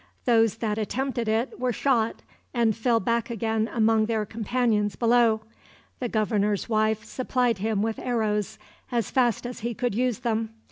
Those that attempted it were shot, and fell back again among their companions below. The governor's wife supplied him with arrows as fast as he could use them.